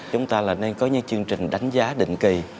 chúng ta là nên có những chương trình đánh giá định kỳ